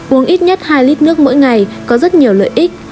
uống ít nhất hai lít nước mỗi ngày có rất nhiều lợi ích